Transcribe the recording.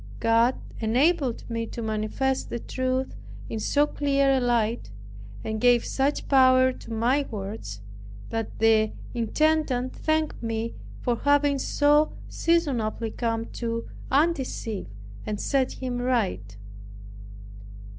God enabled me to manifest the truth in so clear a light, and gave such power to my words, that the intendant thanked me for having so seasonably come to undeceive, and set him right.